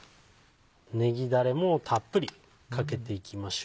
ねぎダレもたっぷりかけていきましょう。